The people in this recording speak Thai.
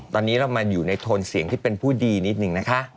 ตอนนี้เรามาอยู่ในโทนเสียงที่เป็นผู้ดีนิดนึงนะคะ